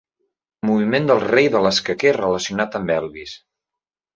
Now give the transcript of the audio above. Moviment del rei de l'escaquer relacionat amb Elvis.